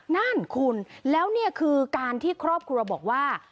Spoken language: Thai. นั่นคุณแล้วนี่คือการที่ครอบครัวบอกว่า